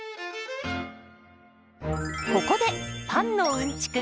ここでパンのうんちく